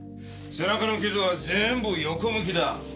背中の傷は全部横向きだ。